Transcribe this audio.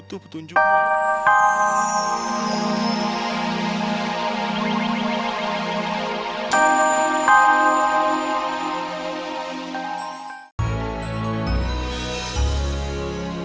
waduh betul betul jauh